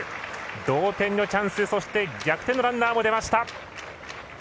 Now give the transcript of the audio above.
同点のチャンスそして逆転のランナーも出ました。